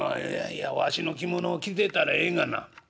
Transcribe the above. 「いやわしの着物を着てたらええがな。